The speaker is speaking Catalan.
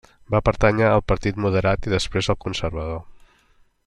Va pertànyer al Partit Moderat i després al Conservador.